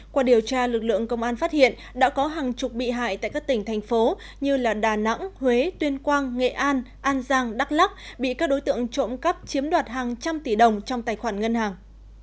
qua điều tra lực lượng công an phát hiện đã có hàng chục bị hại tại các tỉnh thành phố như đà nẵng huế tuyên quang nghệ an an giang đắk lắc bị các đối tượng trộm cắp chiếm đoạt hàng trăm tỷ đồng trong tài khoản ngân hàng